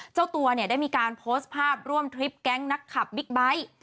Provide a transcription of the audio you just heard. เจ้าตัวเนี่ยได้มีการโพสต์ภาพร่วมทริปแก๊งนักขับบิ๊กไบท์